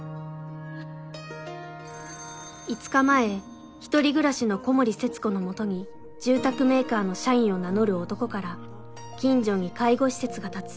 ５日前一人暮らしの小森節子の元に住宅メーカーの社員を名乗る男から「近所に介護施設が建つ。